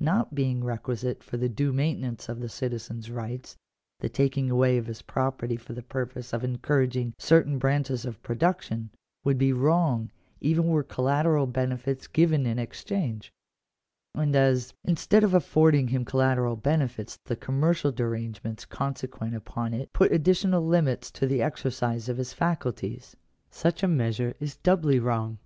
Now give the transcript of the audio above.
Not being requisite for the due maintenance of the citizen's rights, the taking away of his property for the purpose of encouraging certain branches of production, would be wrong even were collateral benefits given in exchange ; and as, instead of affording him collateral benefits, the commercial derange ments consequent upon it put additional limits to the exer cise of his faculties, such a measure is doubly wrong.